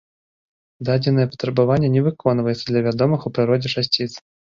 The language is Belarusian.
Дадзенае патрабаванне не выконваецца для вядомых у прыродзе часціц.